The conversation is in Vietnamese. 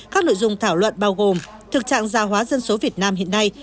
các nội dung thảo luận bao gồm thực trạng gia hóa dân số việt nam hiện nay